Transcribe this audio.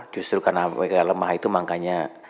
justru karena mereka lemah itu makanya